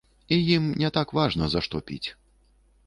І ім не так важна за што піць.